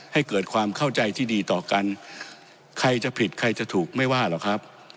ให้เกิดความเข้าใจที่ดีต่อกันใครจะผิดใครจะถูกไม่ว่าหรอกครับ